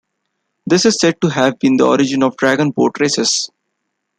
This is said to have been the origin of dragon boat races.